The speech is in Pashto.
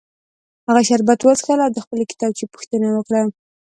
هغه شربت وڅښل او د خپلې کتابچې پوښتنه یې وکړه